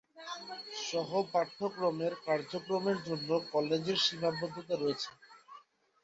সহ-পাঠ্যক্রমের কার্যক্রমের জন্য কলেজের সীমাবদ্ধতা রয়েছে।